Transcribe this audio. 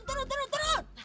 turun turun turun